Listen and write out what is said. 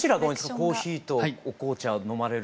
コーヒーとお紅茶飲まれる。